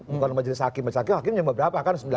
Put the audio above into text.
bukan majelis hakim majelis hakimnya berapa kan